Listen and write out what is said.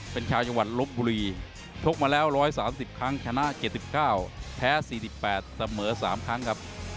เป็นชาวจังหวัดลบบุรีชกมาแล้ว๑๓๐ครั้งชนะ๗๙แพ้๔๘เสมอ๓ครั้งครับ